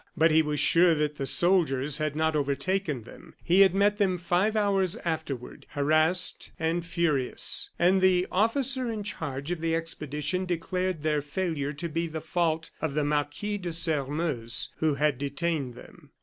But he was sure that the soldiers had not overtaken them. He had met them five hours afterward, harassed and furious; and the officer in charge of the expedition declared their failure to be the fault of the Marquis de Sairmeuse, who had detained them.